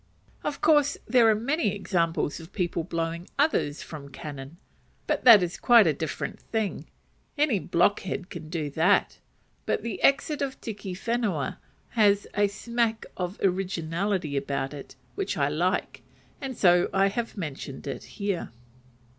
Of course there are many examples of people blowing others from cannon; but that is quite a different thing; any blockhead can do that. But the exit of Tiki Whenua has a smack of originality about it which I like, and so I have mentioned it here.